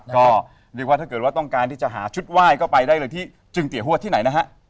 ก็เรียกว่าถ้าเกิดว่าต้องการที่จะหาชุดไหว้ก็ไปได้เลยที่จึงเตียหัวที่ไหนนะฮะ